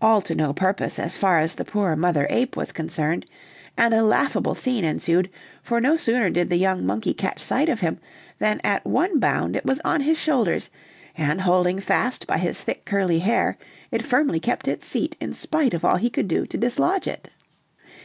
All to no purpose as far as the poor mother ape was concerned, and a laughable scene ensued, for no sooner did the young monkey catch sight of him, than at one bound it was on his shoulders, and, holding fast by his thick curly hair, it firmly kept its seat in spite of all he could do to dislodge it.